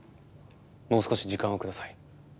もう少し時間を下さい。